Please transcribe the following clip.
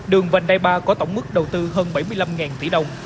đường vành đai ba có tổng mức đầu tư hơn bảy mươi năm tỷ đồng